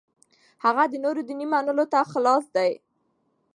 هغه د نورو دینونو منلو ته خلاص دی.